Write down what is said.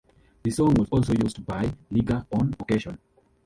The song was also used by Liger on occasion.